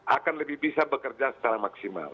akan lebih bisa bekerja secara maksimal